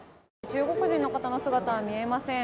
中国人の方の姿は見えません。